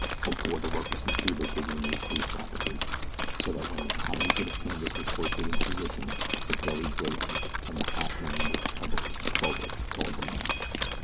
Before the work was completed the wind increased rapidly, so that when the tiny bit of canvas was hoisted into position it bellied bravely, and the Halfmoon moved heavily forward toward the land.